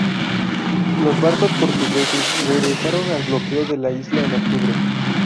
Los barcos portugueses regresaron al bloqueo de la isla en octubre.